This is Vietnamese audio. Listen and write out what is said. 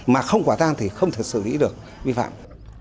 mà không quả tang thì không thể xử lý được vi phạm